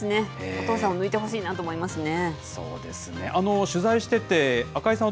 お父さんを抜いてほしいなと思いますね。